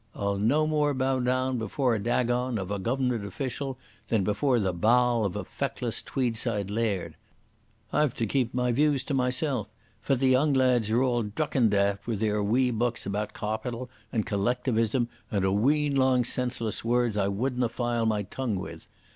I'll no more bow down before a Dagon of a Goavernment official than before the Baal of a feckless Tweedside laird. I've to keep my views to mysel', for thae young lads are all drucken daft with their wee books about Cawpital and Collectivism and a wheen long senseless words I wouldna fyle my tongue with.